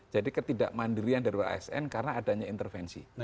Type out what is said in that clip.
jadi ketidakmandirian dari wsn karena adanya intervensi